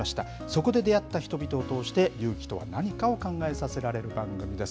そこで出会った人々を通して、勇気とは何かを考えさせられる番組です。